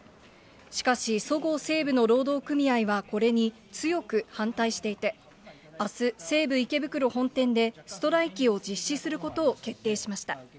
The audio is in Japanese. しかし、そごう・西武の労働組合はこれに強く反対していて、あす、西武池袋本店でストライキを実施することを決定しました。